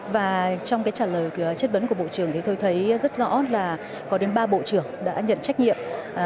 và trong cái trả lời chất vấn của bộ trưởng thì tôi thấy rất rõ là có đến ba bộ trưởng đã nhận trách nhiệm